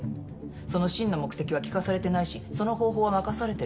その真の目的は聞かされてないしその方法は任されてる。